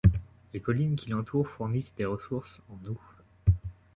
Les collines qui l'entourent fournissent des ressources en eau.